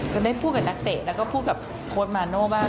ก็ได้พูดกับนักเตะแล้วก็พูดกับโค้ดมาโน่บ้าง